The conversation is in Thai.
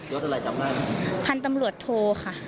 รถอะไรจำได้ไหมพันธุ์ตำรวจโทค่ะ